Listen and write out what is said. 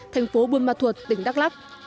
thành phố buôn ma thuột tỉnh đắk lắk